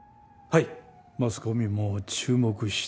はい。